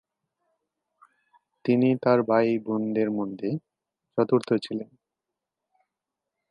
তিনি তার ভাই বোনদের মধ্যে চতুর্থ ছিলেন।